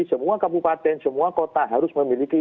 semua kabupaten semua kota harus memiliki